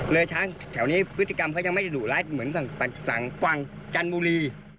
เลยแถวนี้พฤติกรรมเขายังไม่ได้หรูรัดเหมือนฝั่งกวางจันทร์บุรี